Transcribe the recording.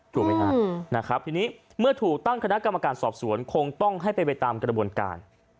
ทีนี้เมื่อถูกตั้งคณะกรรมการสอบสวนคงต้องให้ไปตามกระบวนการ